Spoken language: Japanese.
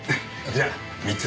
じゃあ３つ。